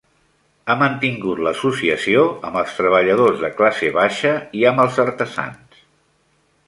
Ha mantingut l'associació amb els treballadors de classe baixa i amb els artesans.